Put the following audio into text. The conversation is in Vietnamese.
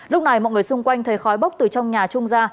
lúc này mọi người xung quanh thấy khói bốc từ trong nhà trung ra